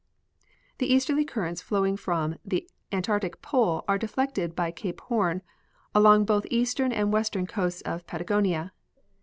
The easterly currents flowing from the Antarctic pole are de 'flected by Cape Horn along both the eastern and western coasts of Patagonia.